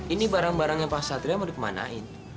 ini barang barangnya pak satria mau dikemanain